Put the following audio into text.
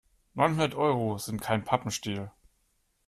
Neunhundert Euro sind kein Pappenstiel.